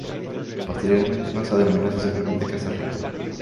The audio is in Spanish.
Posteriormente pasa a denominarse simplemente Casa Ripoll.